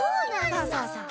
そうそうそう。